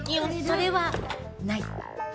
それはない。